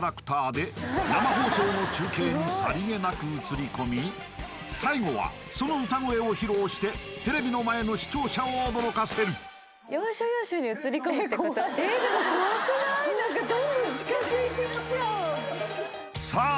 とこの生放送の中継にさりげなく映り込み最後はその歌声を披露してテレビの前の視聴者を驚かせる何かどんどん近づいてきちゃうさあ